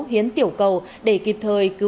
hiến tiểu cầu để kịp thời